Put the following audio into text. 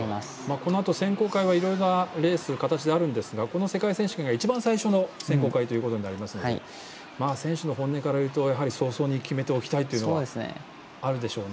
このあと、選考会はいろいろな形であるんですがこの世界選手権が一番最初の選考会ということになりますので選手の本音から言うと早々に決めておきたいというのがあるでしょうね。